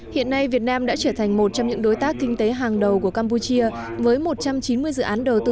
hiện nay việt nam đã trở thành một trong những đối tác kinh tế hàng đầu của campuchia với một trăm chín mươi dự án đầu tư